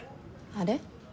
あれ？